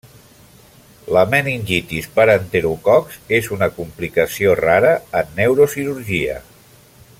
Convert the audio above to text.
La meningitis per enterococs és una complicació rara en neurocirurgia.